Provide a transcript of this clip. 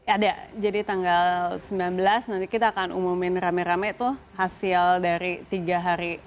ada jadi tanggal sembilan belas nanti kita akan umumin rame rame itu hasil dari tiga hari belanja online nasional